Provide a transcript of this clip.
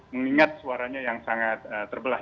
mengingat suaranya yang sangat terbelah